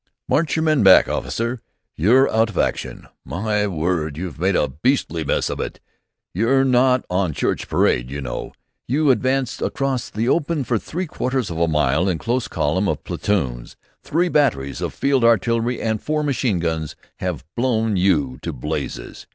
"March your men back, officer! You're out of action! My word! You've made a beastly mess of it! You're not on church parade, you know! You advanced across the open for three quarters of a mile in close column of platoons! Three batteries of field artillery and four machine guns have blown you to blazes!